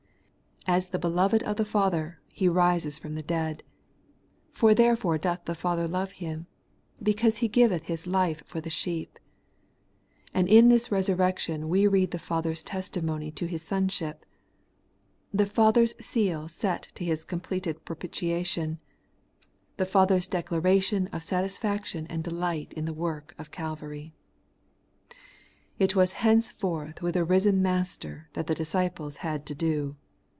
As the beloved of the Father, He rises from the dead ; for therefore doth the Father love Him, because He giveth His life for the sheep. And in this resurrection we read the Father's testimony to His Sonship ; the Father's seal set to His com pleted propitiation ; the Father's declaration of satis faction and delight in the work of Calvary. It was henceforth with a risen Master that the disciples had to do.